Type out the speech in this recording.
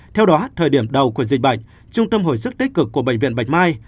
theo đó thời điểm đầu của dịch bệnh trung tâm hồi sức tích cực của bệnh viện bạch mai